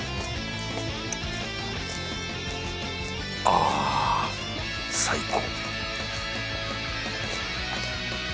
あぁ最高